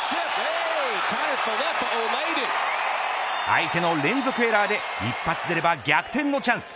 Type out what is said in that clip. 相手の連続エラーで一発出れば逆転のチャンス。